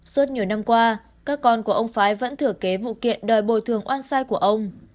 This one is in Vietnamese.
suốt nhiều năm qua các con của ông phái vẫn thử kế vụ kiện đòi bồi thường oan sai của ông